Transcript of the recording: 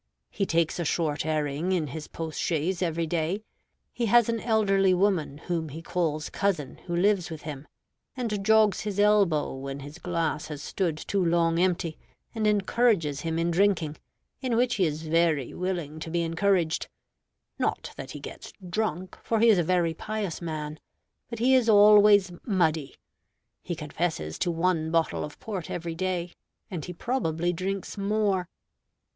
He takes a short airing in his post chaise every day. He has an elderly woman, whom he calls cousin, who lives with him, and jogs his elbow when his glass has stood too long empty, and encourages him in drinking, in which he is very willing to be encouraged; not that he gets drunk, for he is a very pious man, but he is always muddy. He confesses to one bottle of port every day, and he probably drinks more.